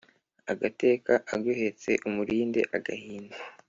Agateka aguhetse Umurinde agahinda